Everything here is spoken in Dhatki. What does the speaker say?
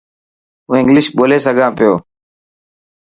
هون انگلش ٻولي سکان پيو.